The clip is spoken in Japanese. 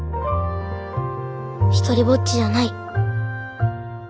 独りぼっちじゃない。